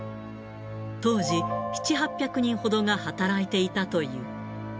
当時、７、８００人ほどが働いていたという。